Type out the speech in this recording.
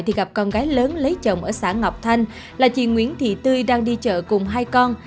thì gặp con gái lớn lấy chồng ở xã ngọc thanh là chị nguyễn thị tươi đang đi chợ cùng hai con